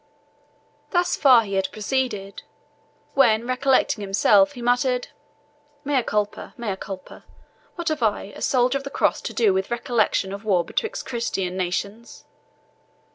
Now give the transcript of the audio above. Thus far he had proceeded, when, suddenly recollecting himself, he muttered, "MEA CULPA! MEA CULPA! what have I, a soldier of the Cross, to do with recollection of war betwixt Christian nations!"